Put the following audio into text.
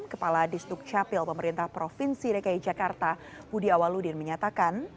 kepala disduk capil pemerintah provinsi dki jakarta budi awaludin menyatakan